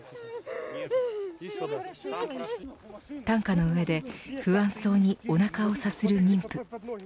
担架の上で不安そうにおなかをさする妊婦。